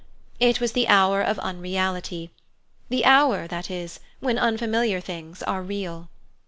It was the hour of unreality—the hour, that is, when unfamiliar things are real.